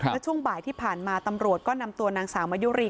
และช่วงบ่ายที่ผ่านมาตำรวจก็นำตัวนางสาวมายุรี